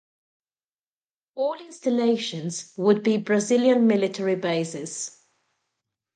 All installations would be Brazilian military bases.